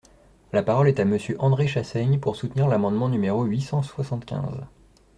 La parole est à Monsieur André Chassaigne, pour soutenir l’amendement numéro huit cent soixante-quinze.